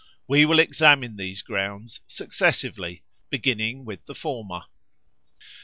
We will examine these grounds successively, beginning with the former.